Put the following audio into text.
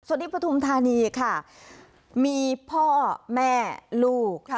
สวัสดีประธุมธานีค่ะมีพ่อแม่ลูก